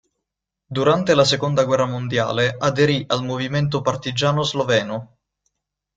Durante la Seconda guerra mondiale aderì al movimento partigiano sloveno.